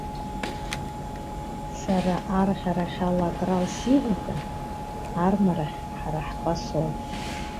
Сара арӷьарахь ала акрал сиватәан, армарахь ҳара ҳпосол.